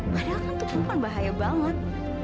padahal kan itu kan bahaya banget